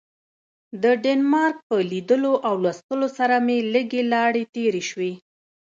د ډنمارک په لیدلو او لوستلو سره مې لږې لاړې تیرې شوې.